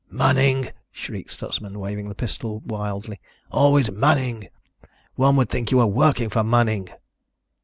"Manning!" shrieked Stutsman, waving the pistol wildly. "Always Manning. One would think you were working for Manning."